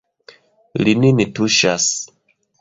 Li nin tuŝas.